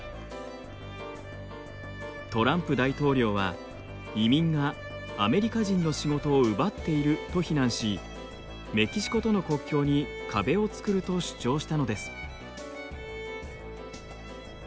トランプ大統領は移民がアメリカ人の仕事を奪っていると非難しメキシコとの国境に壁を作ると主張したのです。